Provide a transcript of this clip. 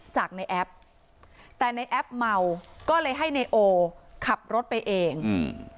จากในแอปแต่ในแอปเมาก็เลยให้นายโอขับรถไปเองอืม